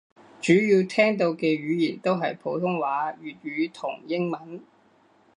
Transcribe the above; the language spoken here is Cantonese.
主要聽到嘅語言都係普通話粵語同英文